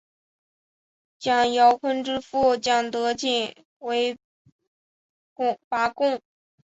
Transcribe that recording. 蒋兆鲲之父蒋德璟为拔贡。